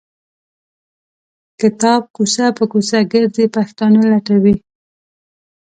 کتاب کوڅه په کوڅه ګرځي پښتانه لټوي.